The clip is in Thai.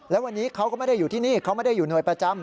แล้ววันนี้เขาก็ไม่ได้อยู่ที่นี่เขาไม่ได้อยู่หน่วยประจำ